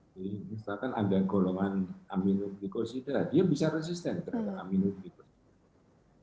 jadi misalkan ada golongan aminobucosida dia bisa resisten terhadap aminobucosida